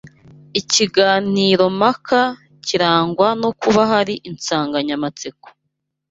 Ikiganiro mpaka kirangwa no kuba hari insanganyamatsiko